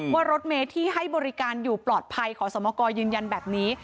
ว่ารถเมย์ที่ให้บริการอยู่ปลอดภัยขอสมกรยืนยันแบบนี้